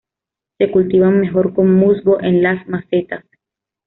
Se cultivan mejor con musgo en las macetas.